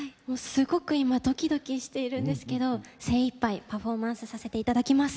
すごく今ドキドキしているんですけど精いっぱいパフォーマンスさせて頂きます。